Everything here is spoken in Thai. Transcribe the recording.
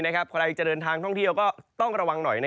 ใครจะเดินทางท่องเที่ยวก็ต้องระวังหน่อย